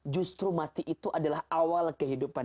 justru mati itu adalah awal kehidupan